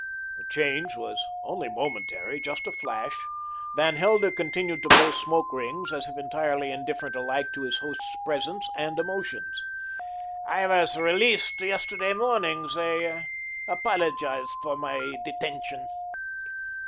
The change was only momentary, just a flash. Van Helder continued to blow smoke rings as if entirely indifferent alike to his host's presence and emotions. "I was released yesterday morning. They apologised for my detention."